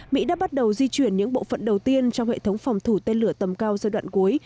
mỹ đã bắt đầu di chuyển những bộ phận đầu tiên trong hệ thống phòng thủ tên lửa tầm cao giai đoạn cuối